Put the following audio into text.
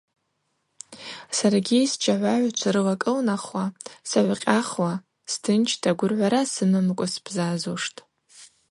Саргьи сыджьагӏвагӏвчва рыла кӏылнахуа сагӏвкъьахуа, стынчта, гвыргӏвара сымамкӏва сбзазуштӏ.